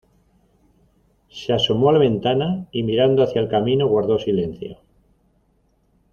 se asomó a la ventana, y mirando hacia el camino guardó silencio.